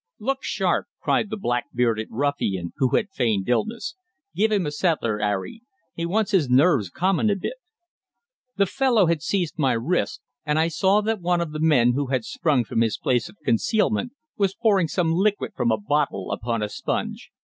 "Look sharp!" cried the black bearded ruffian who had feigned illness. "Give him a settler, 'Arry. He wants his nerves calmin' a bit!" The fellow had seized my wrists, and I saw that one of the men who had sprung from his place of concealment was pouring some liquid from a bottle upon a sponge.